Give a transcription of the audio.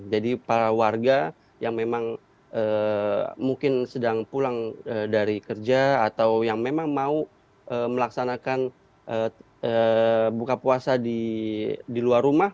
jadi para warga yang memang mungkin sedang pulang dari kerja atau yang memang mau melaksanakan buka puasa di luar rumah